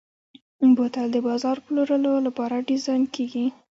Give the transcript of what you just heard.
بوتل د بازار پلورلو لپاره ډیزاین کېږي.